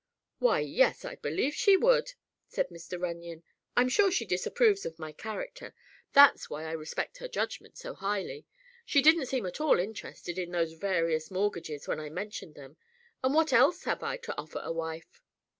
"Why, yes; I believe she would," said Mr. Runyon. "I'm sure she disapproves of my character; that's why I respect her judgment, so highly. She didn't seem at all interested in those various mortgages, when I mentioned them; and what else have I to offer a wife?"